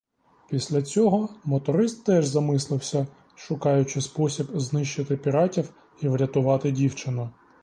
Після цього моторист теж замислився, шукаючи спосіб знищити піратів і врятувати дівчину.